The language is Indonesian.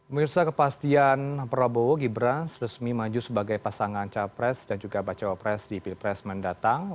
mereka sudah kepastian prabowo gibran serusmi maju sebagai pasangan capres dan juga bacawapres di pilpres mendatang